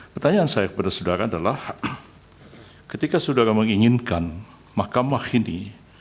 pertanyaan saya kepada saudara adalah ketika saudara menginginkan mahkamah ini